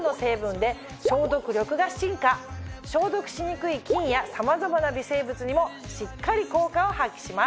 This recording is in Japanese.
消毒しにくい菌やさまざまな微生物にもしっかり効果を発揮します。